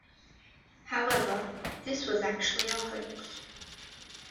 However, this was actually a hoax.